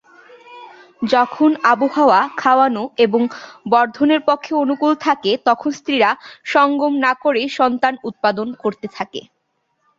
যখন আবহাওয়া খাওয়ানো এবং বর্ধনের পক্ষে অনুকূল থকে তখন স্ত্রীরা সঙ্গম না করেই সন্তান উৎপাদন করতে থাকে।